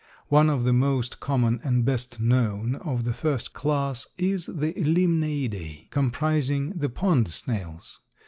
One of the most common and best known of the first class is the Limnaeidae, comprising the pond snails.